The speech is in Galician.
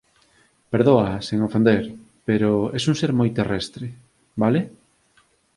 Perdoa. Sen ofender, pero es un ser moi terrestre. Vale?